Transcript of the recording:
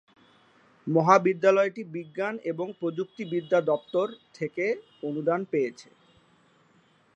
মহাবিদ্যালয়টি বিজ্ঞান এবং প্রযুক্তিবিদ্যা দপ্তর থেকে অনুদান পেয়েছে।